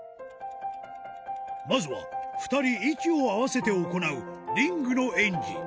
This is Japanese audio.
まずは２人息を合わせて行うリングの演技